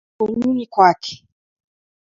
Deka mikonunyi kwake.